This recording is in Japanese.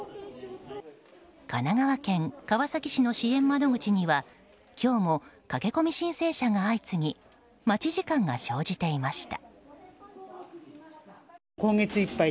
神奈川県川崎市の支援窓口には今日も駆け込み申請者が相次ぎ待ち時間が生じていました。